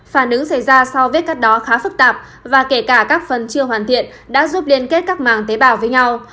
phản ứng xảy ra sau vết cắt đó khá phức tạp và kể cả các phần chưa hoàn thiện đã giúp liên kết các màng tế bào với nhau